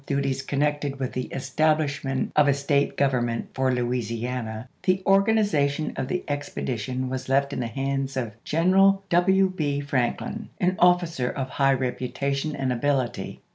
duties connected with the establishment of a State government for Louisiana, the organization of the expedition was left in the hands of Greneral W. B. Franklin, an officer of high reputation and ability.